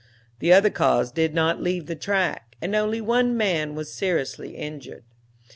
The other cars did not leave the track, and only one man was seriously injured.